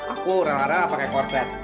aku rela rela pakai korset